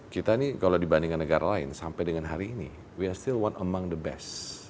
kita ini kalau dibandingkan negara lain sampai dengan hari ini kita masih satu dari yang terbaik